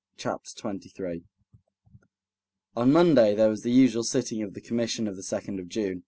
Chapter 23 On Monday there was the usual sitting of the Commission of the 2nd of June.